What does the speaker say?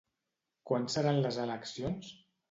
Quan seran les eleccions?